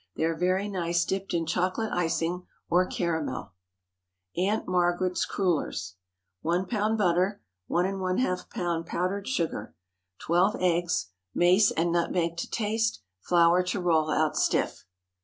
They are very nice dipped in chocolate icing, or caramel. AUNT MARGARET'S CRULLERS. ✠ 1 lb. butter. 1½ lb. powdered sugar. 12 eggs. Mace and nutmeg to taste. Flour to roll out stiff.